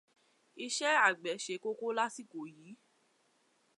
Iṣẹ́ àgbẹ̀ ṣe kókó lásìkò yìí.